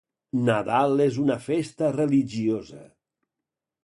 Nadal és una festa religiosa.